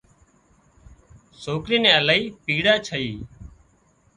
سوڪري نين الاهي پيڙا ڇئي